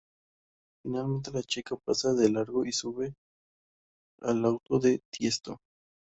Finalmente la chica pasa de largo y sube al auto de Tiesto.